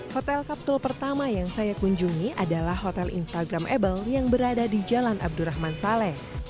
hotel kapsul pertama yang saya kunjungi adalah hotel instagramable yang berada di jalan abdurrahman saleh